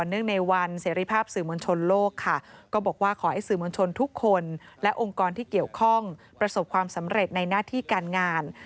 ในวันเสรีภาพสื่อมวลชนโลกค่ะก็บอกว่าขอให้สื่อมวลชนทุกคนและองค์กรที่เกี่ยวข้องประสบความสำเร็จในหน้าที่การงาน